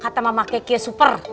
kata mama keknya super